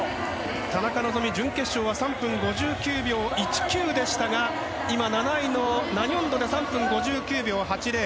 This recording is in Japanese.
田中希実、準決勝は３分５９秒１９でしたが今、７位のナニョンドで３分５９秒８０。